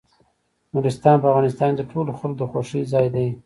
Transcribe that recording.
نورستان په افغانستان کې د ټولو خلکو د خوښې ځای دی.